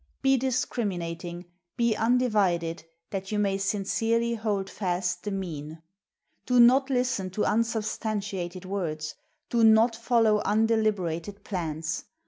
Be discriminating, be undi vided, that you may sincerely hold fast the Mean. Do not listen to unsubstantiated words; do not follow undeliberated plans.